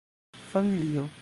Familio.